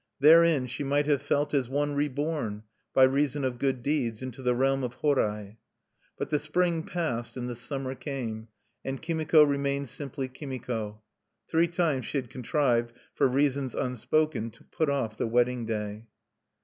Therein she might have felt as one reborn, by reason of good deeds, into the realm of Horai. But the spring passed, and the summer came, and Kimiko remained simply Kimiko. Three times she had contrived, for reasons unspoken, to put off the wedding day.